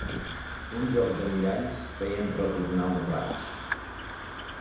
Un joc de miralls feien retornar un raig.